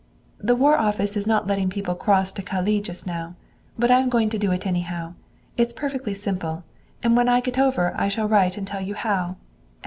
"The War Office is not letting people cross to Calais just now. But I am going to do it anyhow. It is perfectly simple. And when I get over I shall write and tell you how.